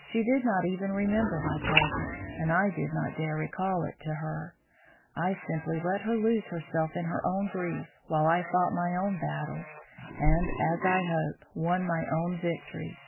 She did not even remember my presence, and I did not dare recall it to her. I simply let her lose herself in her own grief, while I fought my own battle, and, as I hope, won my own victory.